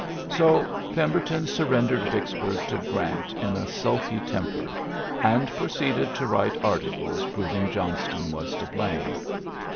^^ So Pemberton surrendered Vicksburg to Grant in a sulky temper, and pro ceeded to write articles proving Johnston was to blame.